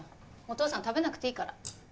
お父さん食べなくていいから。